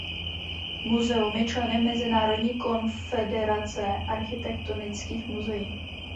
Muzeum je členem Mezinárodní konfederace architektonických muzeí.